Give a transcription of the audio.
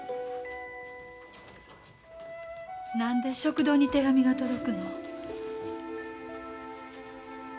何で食堂に手紙が届くの？